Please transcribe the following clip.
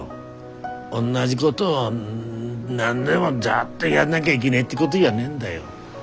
おんなじごどを何でもずっとやんなぎゃいけねえってごどじゃねえんだよ。